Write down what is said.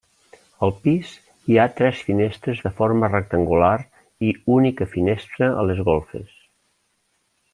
Al pis hi ha tres finestres de forma rectangular i única finestra a les golfes.